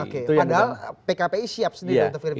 oke padahal pkpi siap sendiri untuk verifikasi